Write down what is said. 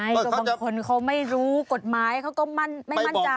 ก็บางคนเขาไม่รู้กฎหมายเขาก็ไม่มั่นใจ